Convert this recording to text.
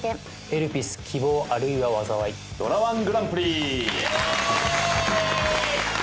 『エルピス−希望、あるいは災い−』ドラ−１グランプリ。